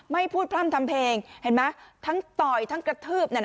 ไม่พูดพร่ำทำเพลงเห็นไหมทั้งต่อยทั้งกระทืบเนี่ย